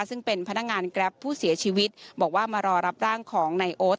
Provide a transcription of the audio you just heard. ซึ่งเป็นพนักงานแกรปผู้เสียชีวิตบอกว่ามารอรับร่างของนายโอ๊ต